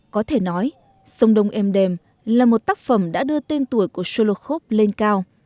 có thể nói sông đông êm đềm là một tác phẩm đã đưa tên tuổi của solokhov lên cao